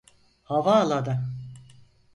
Havaalanı.